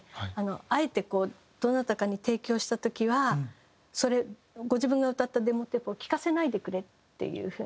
あえてこうどなたかに提供した時はご自分が歌ったデモテープを聴かせないでくれっていう風に。